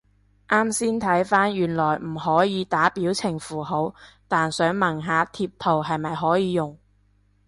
啱先睇返原來唔可以打表情符號，但想問下貼圖係咪可以用？